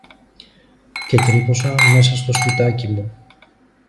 Και τρύπωσα μέσα στο σπιτάκι μου